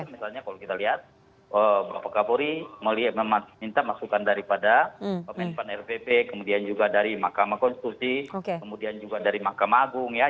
misalnya kalau kita lihat bapak kapolri meminta masukan daripada menpan rpp kemudian juga dari mahkamah konstitusi kemudian juga dari mahkamah agung ya